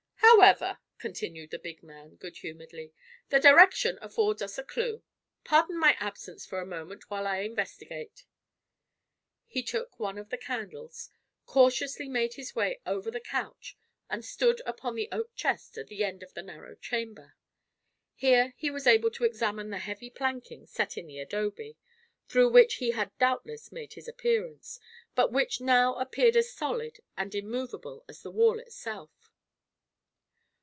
"However," continued the big man, good humoredly, "the direction affords us a clew. Pardon my absence for a moment while I investigate." He took one of the candles, cautiously made his way over the couch and stood upon the oak chest at the end of the narrow chamber. Here he was able to examine the heavy planking set in the adobe, through which he had doubtless made his appearance but which now appeared as solid and immovable as the wall itself.